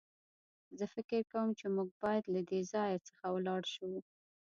زه فکر کوم چې موږ بايد له دې ځای څخه ولاړ شو.